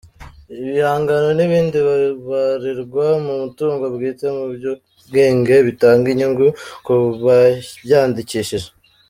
Ibihangano n’ibindi bibarirwa mu mutungo bwite mu by’ubwenge bitanga inyungu ku babyandikishije.